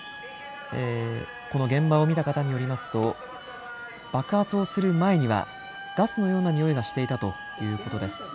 この現場を見た方によりますと爆発をする前にはガスのような臭いがしていたということです。